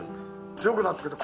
強くなってくるって。